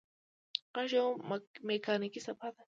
غږ یوه مکانیکي څپه ده.